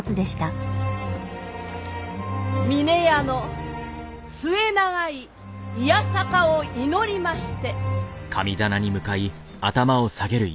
峰屋の末永い弥栄を祈りまして！